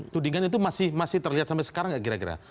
tudingan itu masih terlihat sampai sekarang nggak kira kira